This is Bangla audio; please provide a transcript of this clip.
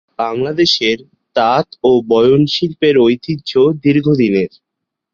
বাংলাদেশের তাঁত ও বয়ন শিল্পের ঐতিহ্য দীর্ঘদিনের।